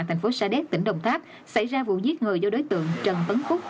thành phố sa đéc tỉnh đồng tháp xảy ra vụ giết người do đối tượng trần tấn phúc